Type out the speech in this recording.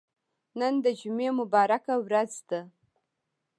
نن د جمعه مبارکه ورځ ده.